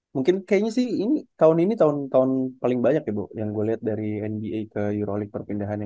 mungkin kayaknya sih ini tahun ini tahun tahun paling banyak ya bu yang gue liat dari nba ke eurolik perpindahannya